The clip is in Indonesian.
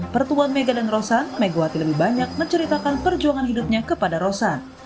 pertemuan mega dan rosan megawati lebih banyak menceritakan perjuangan hidupnya kepada rosan